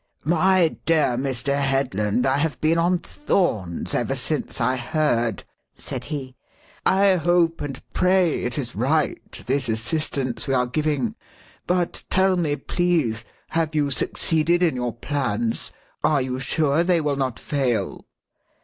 "My dear Mr. Headland, I have been on thorns ever since I heard," said he. "I hope and pray it is right, this assistance we are giving. But tell me, please have you succeeded in your plans? Are you sure they will not fail?"